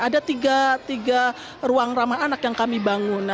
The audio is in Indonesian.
ada tiga ruang ramah anak yang kami bangun